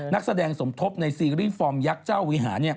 นักแสดงสมทบในซีรีส์ฟอร์มยักษ์เจ้าวิหาร